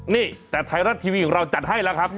นี่แต่ไทยรัฐทีวีของเราจัดให้แล้วครับ